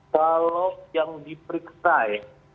kalau yang diperiksa ya